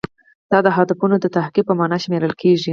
دا د اهدافو د تحقق په معنا شمیرل کیږي.